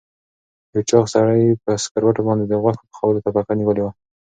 یو چاغ سړي په سکروټو باندې د غوښو پخولو ته پکه نیولې وه.